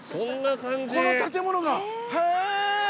この建物がへぇ！